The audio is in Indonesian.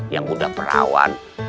yang udah perawan